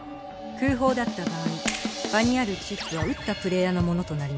空砲だった場合場にあるチップは撃ったプレーヤーのものとなります。